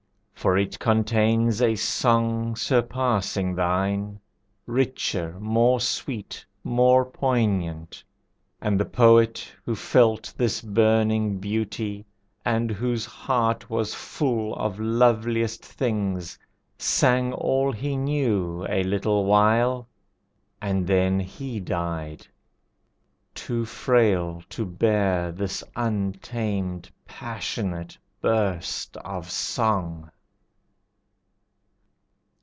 For it contains a song surpassing thine, Richer, more sweet, more poignant. And the poet Who felt this burning beauty, and whose heart Was full of loveliest things, sang all he knew A little while, and then he died; too frail To bear this untamed, passionate burst of song.